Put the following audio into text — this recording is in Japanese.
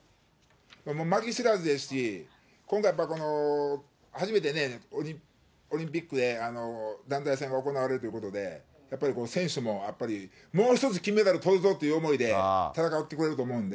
もう負け知らずですし、今回、初めてオリンピックで団体戦が行われるということで、やっぱり選手もやっぱり、もう一つ、金メダルとるぞという思いで、戦ってくれると思うんで。